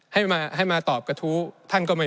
ในช่วงที่สุดในรอบ๑๖ปี